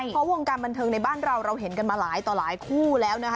เพราะวงการบันเทิงในบ้านเราเราเห็นกันมาหลายต่อหลายคู่แล้วนะคะ